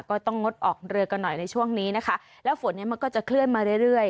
ก็ต้องงดออกเรือกันหน่อยในช่วงนี้นะคะแล้วฝนเนี้ยมันก็จะเคลื่อนมาเรื่อยเรื่อย